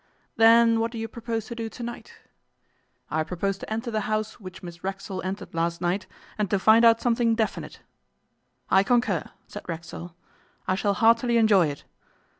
'Then what do you propose to do to night?' 'I propose to enter the house which Miss Racksole entered last night and to find out something definite.' 'I concur,' said Racksole. 'I shall heartily enjoy it.